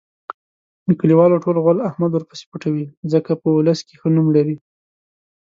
د کلیوالو ټول غول احمد ورپسې پټوي. ځکه په اولس کې ښه نوم لري.